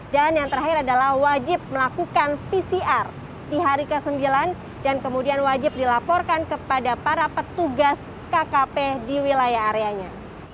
dan yang terakhir adalah wajib melakukan pcr di hari ke sembilan dan kemudian wajib dilaporkan kepada para petugas kkp di wilayah areanya